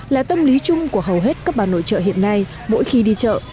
là tâm lý chung của hầu hết các bà nội trợ hiện nay mỗi khi đi chợ